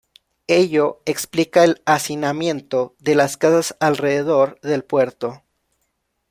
Ello explica el hacinamiento de las casas alrededor del puerto.